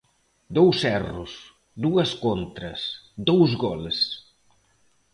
Dous erros, dúas contras, dous goles.